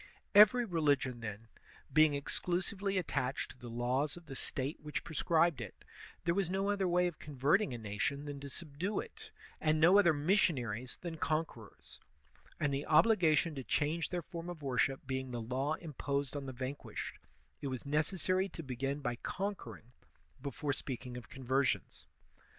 Every religion, then, being exclusively attached to the laws of the State which prescribed it, there was no other way of converting a nation than to subdue it, and no other missionaries than conquerors; and the obligation to change their form of worship being the law imposed on the vanquished, it was necessary to begin by conquering before speaking of conversions.